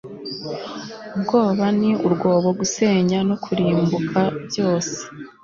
Ubwoba n urwobo gusenya no kurimbuka Byose